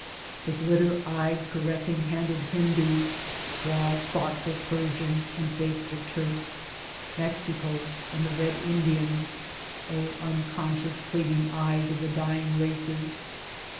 ; the glitter eyed caressing handed Hindu, suave thoughtful Persian, and faithful Turk ; Mexico and the Red Indian (O unconscious pleading eyes of the Towards Democracy 15 dying races